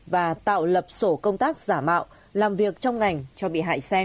và tạo lập sổ công tác giả mạo làm việc trong ngành cho bị hại xem